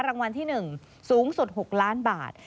รางวัลที่๑สูงสุด๖ล้านบาท